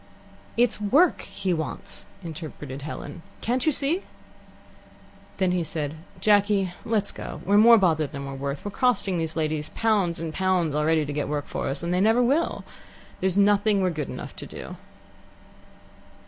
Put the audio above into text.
"It's work he wants," interpreted Helen. "Can't you see?" Then he said: "Jacky, let's go. We're more bother than we're worth. We're costing these ladies pounds and pounds already to get work for us, and they never will. There's nothing we're good enough to do."